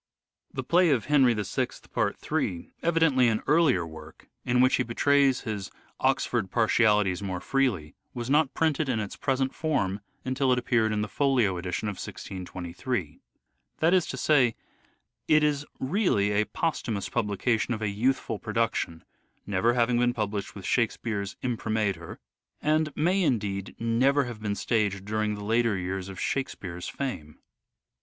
The play of " Henry VI," part 3, evidently an earlier 228 " SHAKESPEARE " IDENTIFIED work, in which he betrays his Oxford partialities more freely, was not printed in its present form until it appeared in the Folio edition of 1623. That is to say, it is really a posthumous publication of a youthful production, never having been published with Shake speare's imprimatur, and may, indeed, never have been staged during the later years of " Shakespeare's " fame.